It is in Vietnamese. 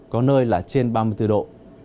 có nơi là trên ba mươi bốn độ